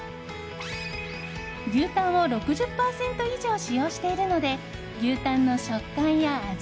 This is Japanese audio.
牛たんを６０％以上使用しているので牛たんの食感や味